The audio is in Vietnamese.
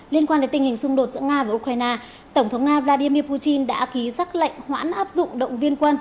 liên quan đến tình hình xung đột giữa nga và ukraine tổng thống nga vladimir putin đã ký xác lệnh hoãn áp dụng động viên quân